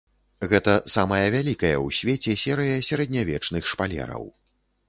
Гэта самая вялікая ў свеце серыя сярэднявечных шпалераў.